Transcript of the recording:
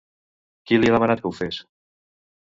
Qui li ha demanat que ho fes?